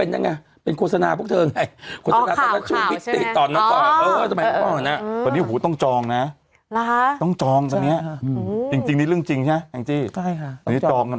จะขอบมือให้ทีมงานทุกคน